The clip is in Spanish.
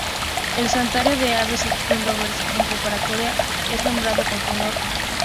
El Santuario de Aves Austin Roberts en Pretoria es nombrado en su honor.